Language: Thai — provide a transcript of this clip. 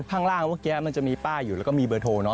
ข้างล่างเมื่อกี้มันจะมีป้ายอยู่แล้วก็มีเบอร์โทรเนอ